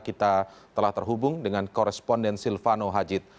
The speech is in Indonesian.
kita telah terhubung dengan koresponden silvano hajid